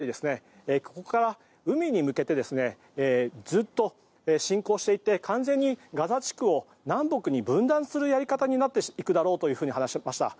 細長いガザ地区のちょうど真ん中の辺りここから海に向けてずっと侵攻していて完全にガザ地区を南北に分断するやり方になっていくだろうと話しました。